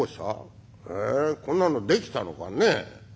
へえこんなのできたのかねえ。